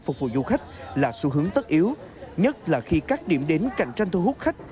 phục vụ du khách là xu hướng tất yếu nhất là khi các điểm đến cạnh tranh thu hút khách